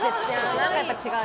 何かやっぱり違う。